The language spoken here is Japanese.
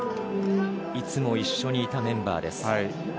いつも一緒にいたメンバーです。